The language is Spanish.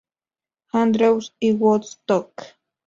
Andrews y Woodstock.